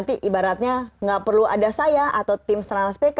ibaratnya gak perlu ada saya atau tim strana spk